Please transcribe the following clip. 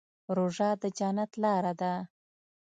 روژه د جنت لاره ده.